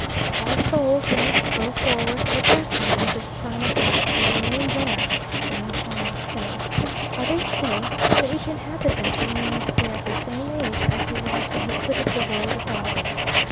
All souls in it grow forward or backward into the prime of life and remain there, some informants say; others say that each inhabitant remains there at the same age as he was when he quitted the world above.